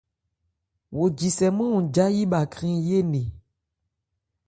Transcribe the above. Wo jisɛmán-hɔn jâyí bha krɛn yé nne.